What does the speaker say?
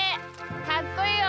かっこいいよ！